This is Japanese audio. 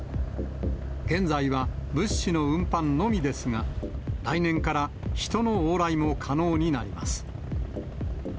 現在は物資の運搬のみですが、来年から人の往来も可能になります。